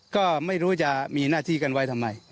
ก็ไม่รู้จะมีหน้าที่กันไว้ทำไม